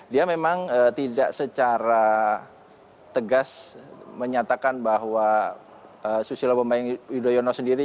dia memang tidak secara tegas menyatakan bahwa susilo bambang yudhoyono sendiri